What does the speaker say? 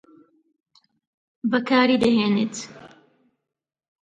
بەکاری دەهێنێت